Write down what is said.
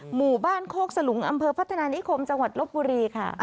หมู่บ้านโคกสลุงอำเภอพัฒนานิคมจังหวัดลบบุรีค่ะ